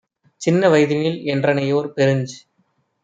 "சின்ன வயதினில் என்றனையோர் - பெருஞ்